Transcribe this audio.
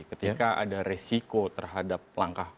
ketika ada resiko terhadap langkah